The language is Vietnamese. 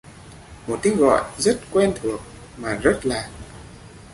Một tiếng gọi rất quen thuộc mà rất lạ